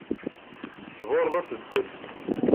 Tesburreḍ-as s ddel.